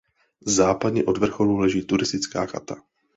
Západně od vrcholu leží turistická chata.